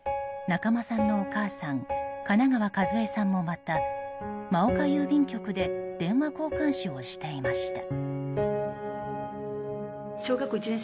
中間さんのお母さん金川一枝さんもまた真岡郵便局で電話交換手をしていました。